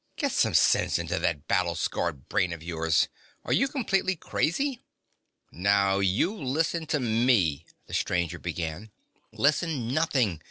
Get some sense into that battle scarred brain of yours! Are you completely crazy?" "Now you listen to me " the stranger began. "Listen, nothing!